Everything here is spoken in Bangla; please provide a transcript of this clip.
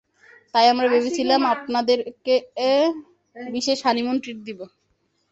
তাই আমরা ভেবেছিলাম আপনাদের কে, বিশেষ হানিমুন ট্রিট দেবো।